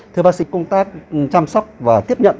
thưa bác sĩ công tác chăm sóc và tiếp nhận